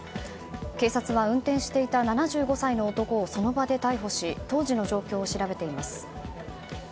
警察は運転していた７５歳の男をその場で逮捕し当時の状況を調べています。